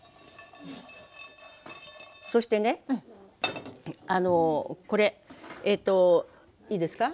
そしてねあのこれえっといいですか？